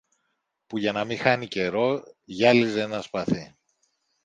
που για να μη χάνει καιρό γυάλιζε ένα σπαθί